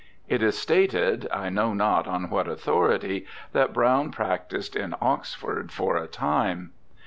It is stated, I know not on what authority, that Browne practised in Oxford for a time.